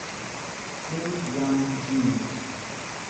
Kim Young-geun